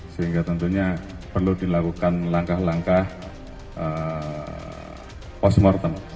sehingga tentunya perlu dilakukan langkah langkah post mortem